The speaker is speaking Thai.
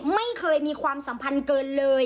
ไม่เคยมีความสัมพันธ์เกินเลย